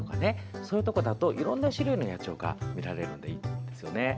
そういうところだといろんな種類の野鳥が見られるのでいいですよね。